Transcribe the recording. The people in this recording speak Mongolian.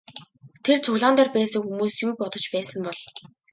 Тэр цуглаан дээр байсан хүмүүс юу бодож байсан бол?